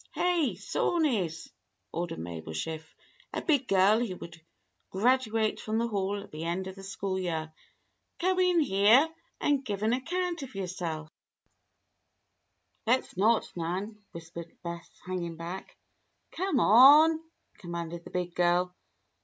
"Hey, sawneys!" ordered Mabel Schiff, a big girl who would graduate from the Hall at the end of the school year. "Come in here and give an account of yourselves." "Let's not, Nan," whispered Bess, hanging back. "Come on!" commanded the big girl.